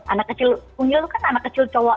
anak kecil unggil kan anak kecil cowok